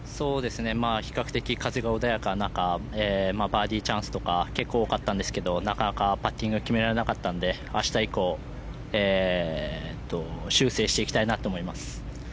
比較的、風が穏やかな中バーディーチャンスとか結構、多かったんですけどなかなかパッティングが決められなかったので明日以降修正していきたいなと思います。